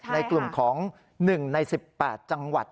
ในกลุ่มของ๑ใน๑๘จังหวัด